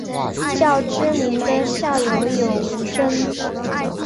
较知名的校友有吴峥。